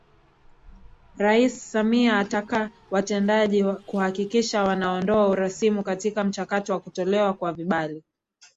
Rais Samia ataka watendaji kuhakikisha wanaondoa urasimu katika mchakato wa kutolewa kwa vibali